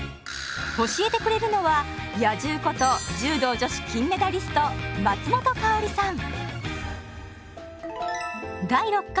教えてくれるのは「野獣」こと柔道女子金メダリスト松本薫さん。